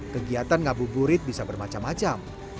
kegiatan ngabu burit bisa bermacam macam